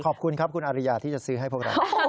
ขอบคุณครับคุณอาริยาที่จะซื้อให้พวกเรา